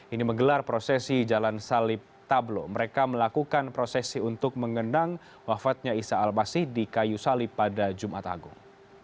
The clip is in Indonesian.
ini menggelar prosesi jalan salib tablo mereka melakukan prosesi untuk mengenang wafatnya isa al basi di kayu salib pada jumat agung